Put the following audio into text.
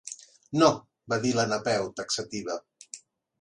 No —va dir la Napeu, taxativa.